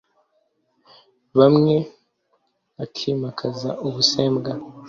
bamwe bakimakaza ubusembwa,